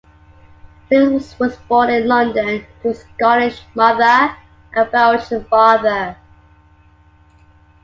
Claes was born in London to a Scottish mother and Belgian father.